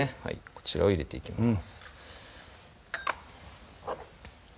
こちらを入れていきます